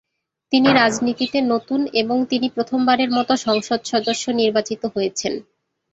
তিনি রাজনীতিতে নতুন এবং তিনি প্রথম বারের মতো সংসদ সদস্য নির্বাচিত হয়েছেন।